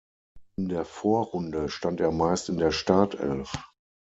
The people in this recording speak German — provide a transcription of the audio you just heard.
In der Vorrunde stand er meist in der Startelf.